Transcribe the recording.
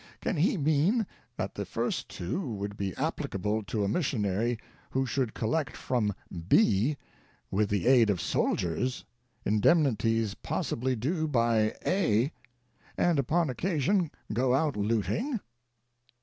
Can he mean that the first two would be applicable to a missionary who should collect from B, with the "aid of soldiers," indemnities pos sibly due by A, and upon occasion go out looting?